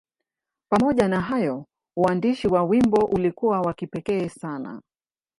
Pamoja na hayo, uandishi wa wimbo ulikuwa wa kipekee sana.